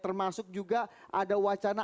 termasuk juga ada wacana